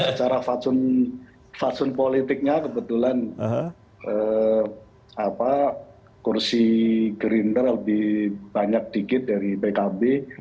secara faksun politiknya kebetulan kursi gerindra lebih banyak dikit dari pkb